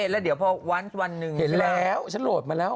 แล้วเดี๋ยวพอวันหนึ่งเห็นแล้วฉันโหลดมาแล้ว